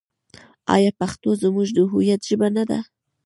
آیا پښتو زموږ د هویت ژبه نه ده؟